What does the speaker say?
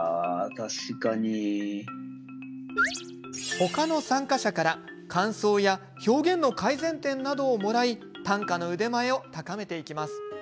他の参加者から、感想や表現の改善点などをもらい短歌の腕前を高めていきます。